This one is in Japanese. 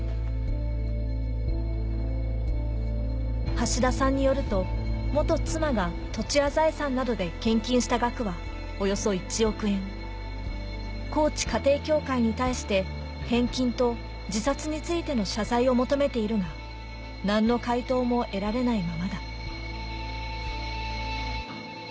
橋田さんによると妻が土地や財産などで献金した額はおよそ１億円高知家庭教会に対して返金と自殺についての謝罪を求めているが何の回答も得られないままだ